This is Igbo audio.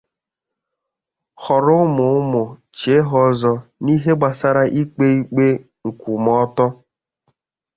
họrọ ụmụ-ụmụ chie ha ọzọ' n'ihe gbasaara ikpe ikpe nkwụmọtọ